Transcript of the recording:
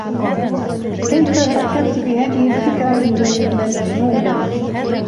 كيف فكرت بهذه الفكرة المجنونة؟